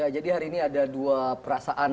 jadi hari ini ada dua perasaan